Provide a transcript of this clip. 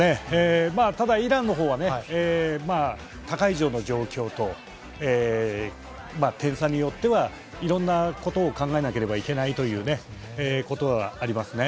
ただ、イランの方は他会場の状況と点差によってはいろんなことを考えなければいけないということはありますね。